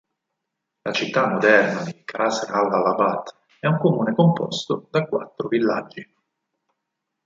La città moderna di Qasr Al-Hallabat è un comune composto da quattro villaggi.